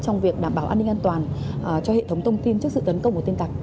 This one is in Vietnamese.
trong việc đảm bảo an ninh an toàn cho hệ thống thông tin trước sự tấn công của tin tặc